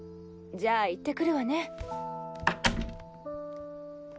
じゃあ行ってくるわね。